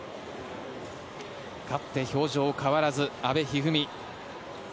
勝って表情変わらず阿部一二三。